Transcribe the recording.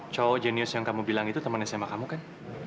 cowok jenius yang kamu bilang itu temannya sama kamu kan